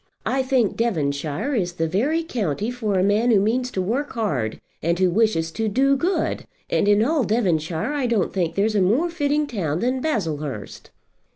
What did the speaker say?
I think Devonshire is the very county for a man who means to work hard, and who wishes to do good; and in all Devonshire I don't think there's a more fitting town than Baslehurst."